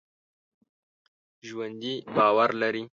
ژوندي باور لري